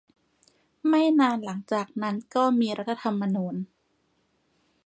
ไม่นานหลังจากนั้นก็มีรัฐธรรมนูญ